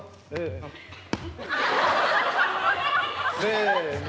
せの。